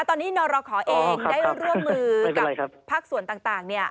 ตอนนี้นรขอเองได้ร่วมมือกับภาคส่วนต่าง